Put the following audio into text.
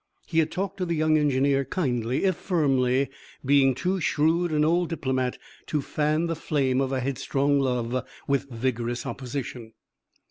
He had talked to the young engineer kindly, if firmly, being too shrewd an old diplomat to fan the flame of a headstrong love with vigorous opposition.